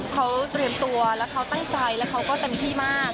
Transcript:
เขาเตรียมตัวแล้วเขาตั้งใจแล้วเขาก็เต็มที่มาก